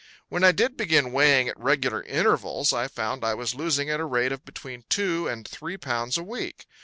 When I did begin weighing at regular intervals I found I was losing at a rate of between two and three pounds a week.